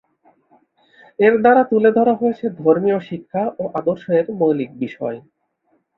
এর দ্বারা তুলে ধরা হয়েছে ধর্মীয় শিক্ষা ও আদর্শের মৌলিক বিষয়।